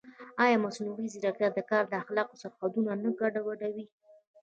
ایا مصنوعي ځیرکتیا د کار د اخلاقو سرحدونه نه ګډوډوي؟